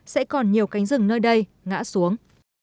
sẽ còn nhiều cánh rừng nơi đây ngã xuống